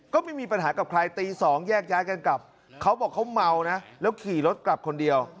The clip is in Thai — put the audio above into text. ก็ไม่มีปัญหากับใครตี๒แยกย้ายกันกลับเขาบอกเขาเมานะแล้วขี่รถกลับคนเดียว